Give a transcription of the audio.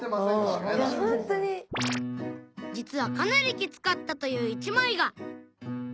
実はかなりキツかったという１枚が